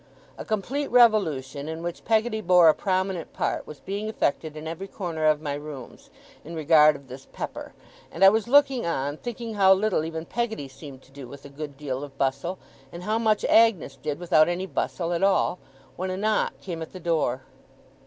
A complete revolution, in which Peggotty bore a prominent part, was being effected in every corner of my rooms, in regard of this pepper; and I was looking on, thinking how little even Peggotty seemed to do with a good deal of bustle, and how much Agnes did without any bustle at all, when a knock came at the door.